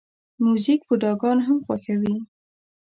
موزیک بوډاګان هم خوښوي.